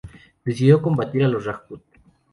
Decidió combatir a los rajput.